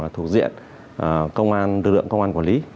thuộc diện công an lực lượng công an quản lý